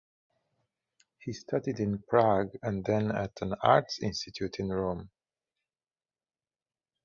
He studied in Prague and then at an Arts institute in Rome.